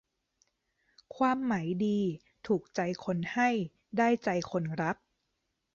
ความหมายดี ถูกใจคนให้ ได้ใจคนรับ